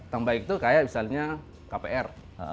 hutang baik itu kayak misalnya kpr